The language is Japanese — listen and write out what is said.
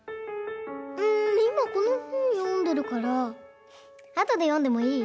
うんいまこのほんよんでるからあとでよんでもいい？